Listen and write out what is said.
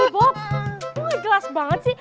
bob lu ga jelas banget sih